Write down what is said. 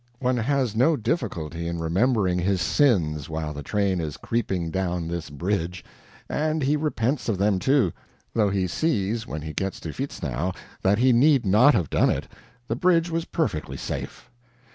One has no difficulty in remembering his sins while the train is creeping down this bridge; and he repents of them, too; though he sees, when he gets to Vitznau, that he need not have done it, the bridge was perfectly safe.